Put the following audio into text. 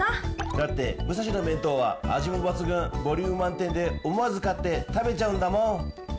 だって「むさし」の弁当は味も抜群ボリューム満点で思わず買って食べちゃうんだもん。